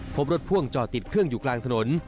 พบรถพ่วงจอดติดเครื่องอยู่กลางถนน